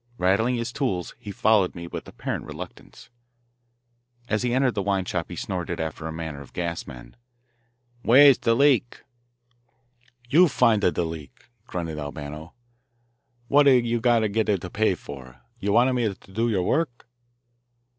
Rattling his tools, he followed me with apparent reluctance. As he entered the wine shop he snorted, after the manner of gas men, "Where's de leak?" "You find a da leak," grunted Albano. "What a you get a you pay for? You want a me do your work?"